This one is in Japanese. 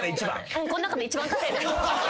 こん中で一番稼いでる。